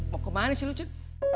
mau ke mana sih lo cik